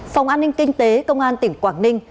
phòng an ninh kinh tế công an tỉnh quảng ninh